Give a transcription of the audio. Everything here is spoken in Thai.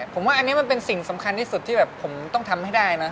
ผมว่าอันนี้มันเป็นสิ่งสำคัญที่สุดที่แบบผมต้องทำให้ได้นะ